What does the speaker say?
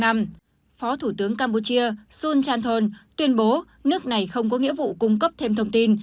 phó thủ tướng campuchia sun chanthong tuyên bố nước này không có nghĩa vụ cung cấp thêm thông tin